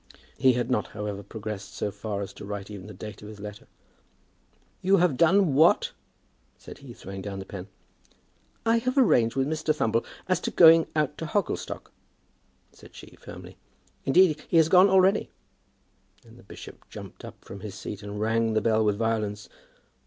He had not, however, progressed so far as to write even the date of his letter. "You have done what?" said he, throwing down the pen. "I have arranged with Mr. Thumble as to going out to Hogglestock," said she firmly. "Indeed he has gone already." Then the bishop jumped up from his seat, and rang the bell with violence.